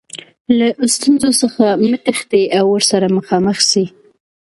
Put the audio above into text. له ستونزو څخه مه تښتئ او ورسره مخامخ سئ.